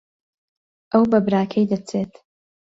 ئەو بە براکەی دەچێت.